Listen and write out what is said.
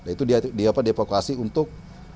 itu dia diapokasi untuk